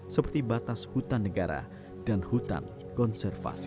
seperti batas hutan negara dan hutan konservasi